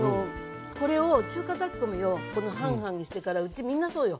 中華炊き込みをこの半々にしてからうちみんなそうよ。